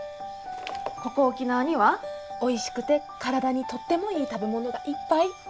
ここ沖縄にはおいしくて体にとってもいい食べ物がいっぱい。